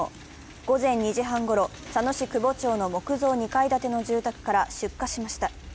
午前２時半ごろ、佐野市久保町の木造２階建ての住宅から出火しました。